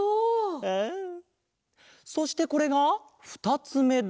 そしてこれがふたつめだ。